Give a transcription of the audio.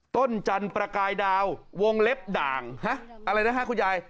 จันประกายดาววงเล็บด่างฮะอะไรนะฮะคุณยาย